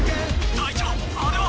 隊長あれは？